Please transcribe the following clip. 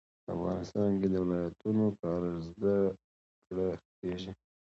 افغانستان کې د ولایتونو په اړه زده کړه کېږي.